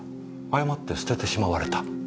誤って捨ててしまわれた？